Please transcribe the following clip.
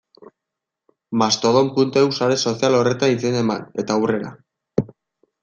Mastodon.eus sare sozial horretan izena eman, eta aurrera.